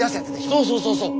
そうそうそうそう。